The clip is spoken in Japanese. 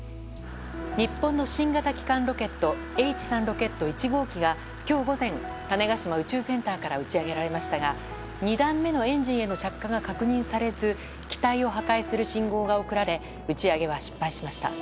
日本の新型基幹ロケットＨ３ロケット１号機が今日午前種子島宇宙センターから打ち上げられましたが２段目のエンジンへの着火が確認されず機体を破壊する信号が送られ打ち上げは失敗しました。